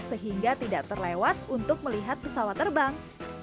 sehingga tidak terlewat untuk melihat pesawat terbang